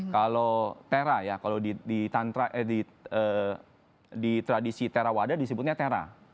kalau thera ya kalau di tradisi theravada disebutnya thera